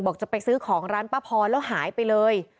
จะไปซื้อของร้านป้าพรแล้วหายไปเลย